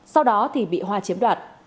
sau đó bị hoa chiếm đoạt